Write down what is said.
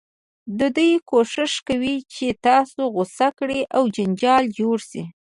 دوی کوښښ کوي چې تاسو غوسه کړي او جنجال جوړ شي.